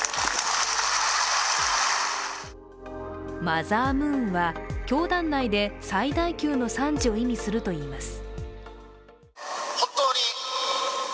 マザー・ムーンは教団内で最大級の賛辞を意味するといいます。